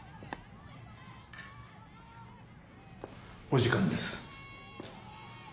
お時間です。